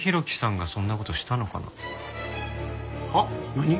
何？